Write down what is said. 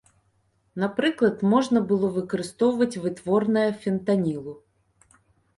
Напрыклад, можна было выкарыстоўваць вытворныя фентанілу.